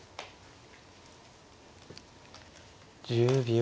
１０秒。